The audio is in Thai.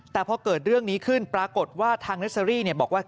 แต่พอเกิดเรื่องนี้ขึ้นปรากฏว่าทางเนอร์เซอรี่บอกว่า